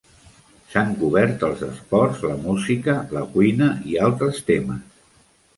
S'han cobert els esports, la música, la cuina i altres temes